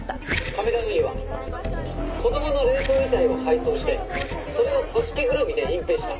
亀田運輸は子供の冷凍遺体を配送してそれを組織ぐるみで隠蔽した。